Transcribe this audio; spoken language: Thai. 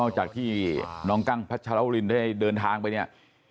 จากที่น้องกั้งพัชรวรินได้เดินทางไปเนี่ย